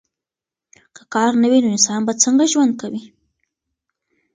که کار نه وي نو انسان به څنګه ژوند کوي؟